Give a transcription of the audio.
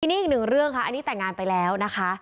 ทีนี้อีกหนึ่งเรื่องค่ะอันนี้แต่งงานไปแล้วนะคะ